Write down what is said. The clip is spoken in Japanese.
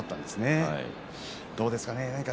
どうですかね。